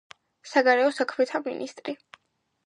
საგარეო საქმეთა მინისტრი.